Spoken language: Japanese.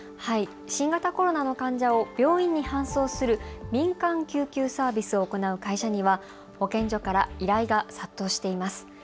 新型コロナの患者を病院に搬送する民間救急サービスを行う会社には保健所から依頼が殺到しています。